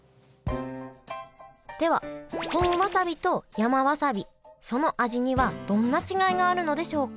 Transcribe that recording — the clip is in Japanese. では本わさびと山わさびその味にはどんな違いがあるのでしょうか？